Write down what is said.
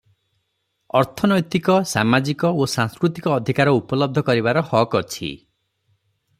ଅର୍ଥନୈତିକ, ସାମାଜିକ ଓ ସାଂସ୍କୃତିକ ଅଧିକାର ଉପଲବ୍ଧ କରିବାର ହକ ଅଛି ।